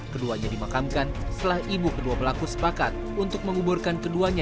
keduanya dimakamkan setelah ibu kedua pelaku sepakat untuk menguburkan keduanya